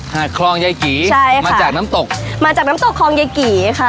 หาดคลองไยกรีใช่ค่ะมาจากน้ำตกมาจากน้ำตกคลองไยกรีค่ะ